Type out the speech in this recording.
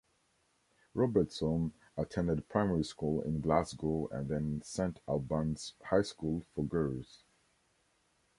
Robertson attended primary school in Glasgow and then Saint Albans High School for Girls.